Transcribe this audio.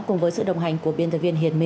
cùng với sự đồng hành của biên tập viên hiền mỹ